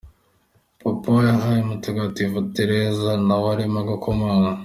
Papa yabaye umutagatifu, Tereza na we arimo gukomanga.